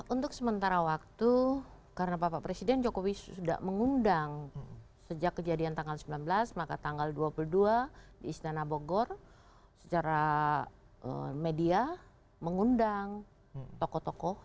untuk sementara waktu karena bapak presiden jokowi sudah mengundang sejak kejadian tanggal sembilan belas maka tanggal dua puluh dua di istana bogor secara media mengundang tokoh tokoh